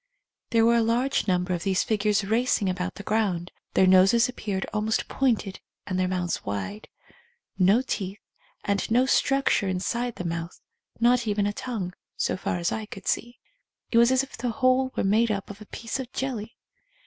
There were a large number of these figures racing about the ground. Their noses ap peared almost pointed and their mouths wide. No teeth and no structure inside the 110 OBSERVATIONS OF A CLAIRVOYANT mouth, not even a tongue, so far as I could see. It was as if the whole were made up of a piece of jelly.